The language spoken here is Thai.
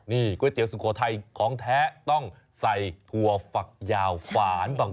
นี่ก๋วยเตี๋ยวสุโขทัยของแท้ต้องใส่ถั่วฝักยาวฝานบาง